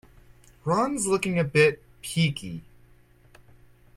Ron's looking a bit peaky.